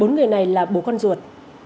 bốn người này là bố con ruột